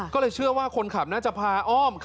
ก็เลยเชื่อว่าคนขับน่าจะพาอ้อม